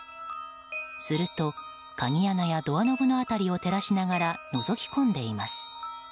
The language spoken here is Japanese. すると、鍵穴やドアノブの辺りを照らしながらのぞき込んでいます。